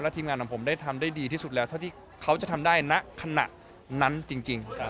ทีมงานของผมได้ทำได้ดีที่สุดแล้วเท่าที่เขาจะทำได้ณขณะนั้นจริง